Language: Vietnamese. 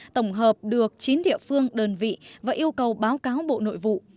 tổng hợp được chín địa phương đơn vị và yêu cầu báo cáo bộ nội vụ